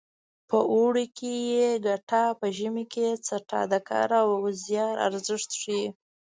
په اوړي یې ګټه په ژمي یې څټه د کار او زیار ارزښت ښيي